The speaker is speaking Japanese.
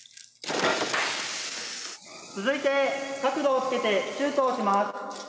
続いて角度をつけてシュートをします。